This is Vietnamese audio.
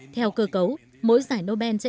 theo cơ cấu mỗi giải nobel